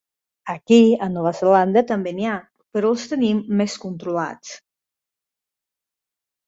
Aquí a Nova Zelanda també n'hi ha, però els tenim més controlats.